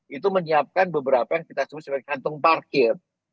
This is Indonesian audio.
itu menyiapkan beberapa yang kita sebut sebagai kantung parkir